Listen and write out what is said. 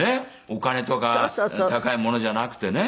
お金とか高いものじゃなくてね。